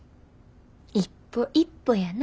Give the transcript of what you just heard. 一歩一歩やな。